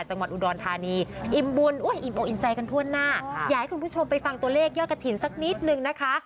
จังหวัดอุดรธานีอิ่มบุญอิ่มอกอิ่มใจกันทั่วหน้าอยากให้คุณผู้ชมไปฟังตัวเลขยอดกระถิ่นสักนิดนึงนะคะ